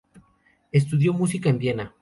Estudió música en Viena.